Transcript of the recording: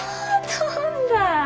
飛んだ！